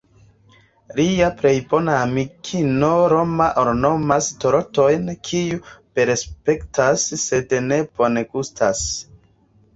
Lia plej bona amikino Rona ornamas tortojn, kiuj belaspektas sed ne bongustas.